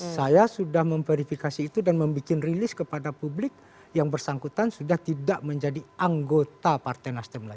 saya sudah memverifikasi itu dan membuat rilis kepada publik yang bersangkutan sudah tidak menjadi anggota partai nasdem lagi